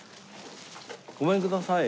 ごめんください。